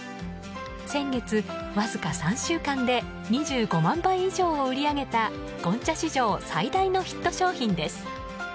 先月、わずか３週間で２５万杯以上を売り上げたゴンチャ史上最大のヒット商品です。